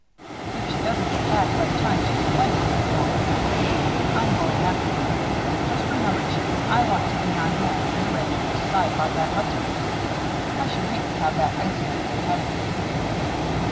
"If she doesn't get back by the time she's twenty," laughed Allen, "I'm going after her. Just remember, Jeanne, I want to be on hand when you're ready to decide about that husband. I should hate to have that iceman get ahead of me."